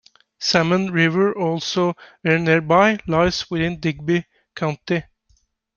Salmon River also very nearby, lies within Digby County.